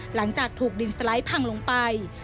หลังจากถูกดินสไลด์พังลงไป